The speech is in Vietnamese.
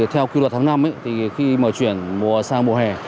theo quy luật tháng năm khi mở chuyển mùa sang mùa hè